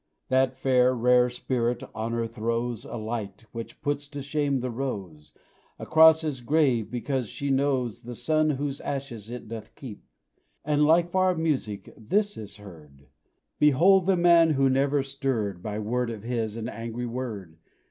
That fair, rare spirit, Honour, throws A light, which puts to shame the rose, Across his grave, because she knows The son whose ashes it doth keep; And, like far music, this is heard "Behold the man who never stirred, By word of his, an angry word!